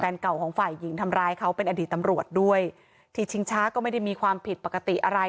เก่าของฝ่ายหญิงทำร้ายเขาเป็นอดีตตำรวจด้วยที่ชิงช้าก็ไม่ได้มีความผิดปกติอะไร